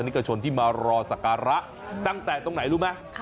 เอกชนที่มารอสักการะตั้งแต่ตรงไหนรู้ไหม